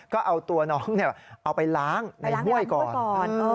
ก็เอาตัวน้องเอาไปล้างในห้วยก่อน